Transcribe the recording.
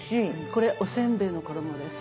これおせんべいの衣です。